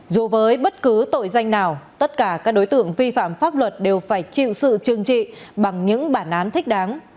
dù với bất cứ tội danh nào tất cả các đối tượng vi phạm pháp luật đều phải chịu sự trừng trị bằng những bản án thích đáng